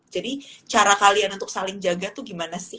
jadi cara kalian untuk saling jaga tuh gimana sih